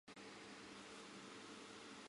天龙座还有另外两颗三等以上的恒星。